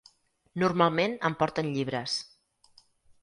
Normalment em porten llibres.